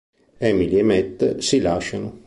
Emily e Matt si lasciano.